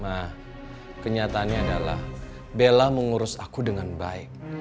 nah kenyataannya adalah bella mengurus aku dengan baik